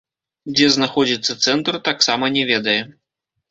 Дзе знаходзіцца цэнтр, таксама не ведае.